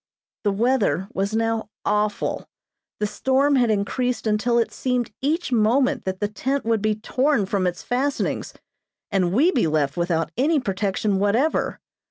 The weather was now awful. The storm had increased until it seemed each moment that the tent would be torn from its fastenings, and we be left without any protection whatever.